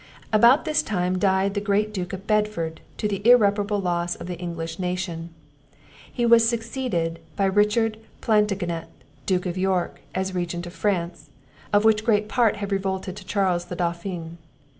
About this time died the great Duke of Bedford, to the irreparable loss of the English nation. He was succeeded by Richard Plantagenet, Duke of York, as Regent of France, of which great part had revolted to Charles the Dauphin.